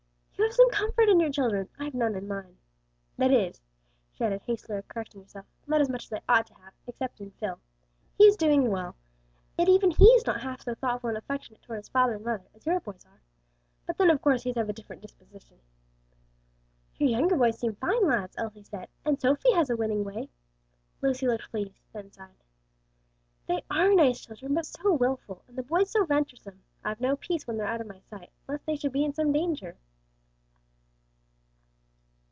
You have some comfort in your children; I've none in mine. "That is," she added, hastily correcting herself, "not as much as I ought to have, except in Phil; he's doing well; yet even he's not half so thoughtful and affectionate toward his father and mother as your boys are. But then of course he's of a different disposition." "Your younger boys seem fine lads," Elsie said; "and Sophie has a winning way." Lucy looked pleased, then sighed, "They are nice children, but so wilful; and the boys so venturesome. I've no peace when they are out of my sight, lest they should be in some danger."